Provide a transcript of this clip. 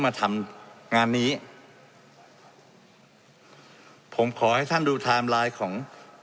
มาทำงานนี้ผมขอให้ท่านดูไทม์ไลน์ของ